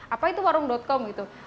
apa itu warung com gitu